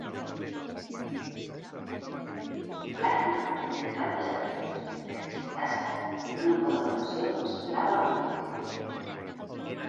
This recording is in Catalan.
Layman tenia tantes aptituds per fer aquesta tasca que una col·laboració semblava obligatòria.